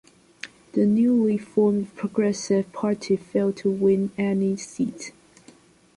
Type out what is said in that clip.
The newly formed Progressive Party failed to win any seats.